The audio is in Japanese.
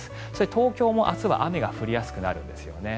東京も明日は雨が降りやすくなるんですよね。